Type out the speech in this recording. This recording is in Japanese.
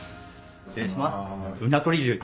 失礼します。